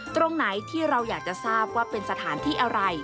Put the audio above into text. ตรงไหนที่เราอยากจะทราบว่าเป็นสถานที่อะไร